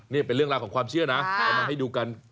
เนี้ยเป็นเรื่องราคาของความเชื่อนะ